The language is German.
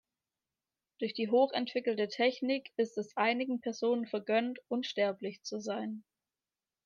Durch die hoch entwickelte Technik ist es einigen Personen vergönnt, unsterblich zu sein.